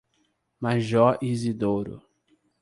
Major Izidoro